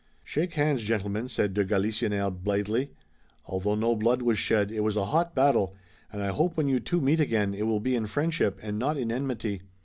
"Shake hands, gentlemen," said de Galisonnière blithely. "Although no blood was shed it was a hot battle and I hope when you two meet again it will be in friendship and not in enmity.